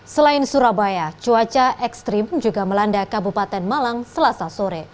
selain surabaya cuaca ekstrim juga melanda kabupaten malang selasa sore